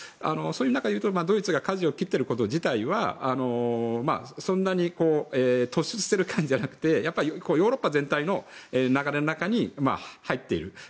そういう中でいうとドイツがかじを切っていること自体はそんなに突出している感じじゃなくてヨーロッパ全体の流れの中に入っている。